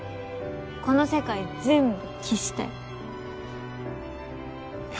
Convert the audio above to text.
この世界全部消したい。